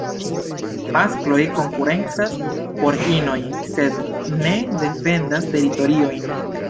Maskloj konkurencas por inoj sed ne defendas teritoriojn.